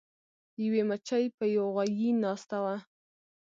یوې مچۍ په یو غوایي ناسته وه.